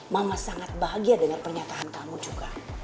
mama sangat bahagia dengan pernyataan kamu juga